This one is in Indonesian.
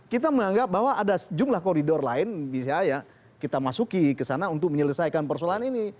kita menganggap bahwa ada sejumlah koridor lain bisa ya kita masuki ke sana untuk menyelesaikan persoalan ini